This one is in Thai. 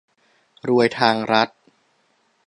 รวยทางรัฐ